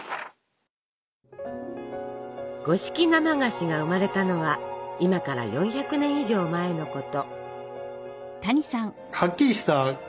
五色生菓子が生まれたのは今から４００年以上前のこと。